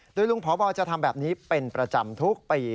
โดยลุงพบจะทำแบบนี้เป็นประจำทุกปี